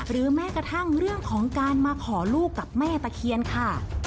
แม้กระทั่งเรื่องของการมาขอลูกกับแม่ตะเคียนค่ะ